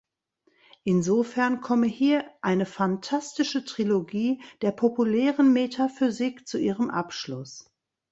Insofern komme hier „eine fantastische Trilogie der populären Metaphysik zu ihrem Abschluss“.